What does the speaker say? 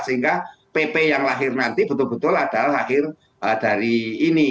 sehingga pp yang lahir nanti betul betul adalah lahir dari ini